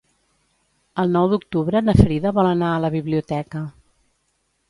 El nou d'octubre na Frida vol anar a la biblioteca.